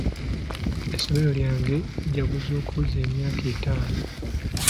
Essomero lyaffe lijaguza okuweza emyaka etaano.